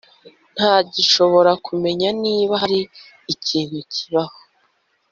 Ntagishobora no kumenya niba hari ikintu kibaho